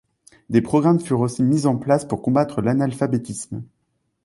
Des programmes furent aussi mis en place pour combattre l’analphabétisme.